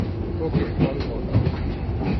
ওকে call কর।